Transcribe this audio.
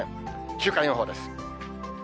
週間予報です。